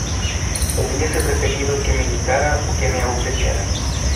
hubiese preferido que me gritara o que me abofeteara,